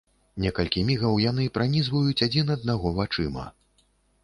Некалькі мігаў яны пранізваюць адзін аднаго вачыма.